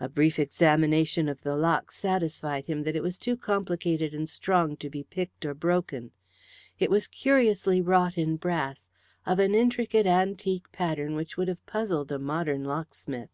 A brief examination of the lock satisfied him that it was too complicated and strong to be picked or broken. It was curiously wrought in brass, of an intricate antique pattern which would have puzzled a modern locksmith.